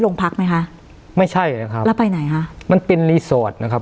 ลงพักไหมคะไม่ใช่ครับแล้วไปไหนฮะมันเป็นนะครับ